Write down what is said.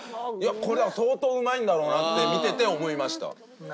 これは相当うまいんだろうなって見てて思いました。